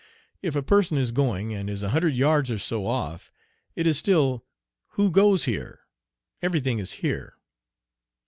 If a person is going, and is a hundred yards or so off, it is still, "Who goes here?" Everything is "here."